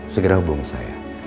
segera hubungi saya